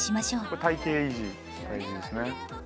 「これ体形維持大事ですね」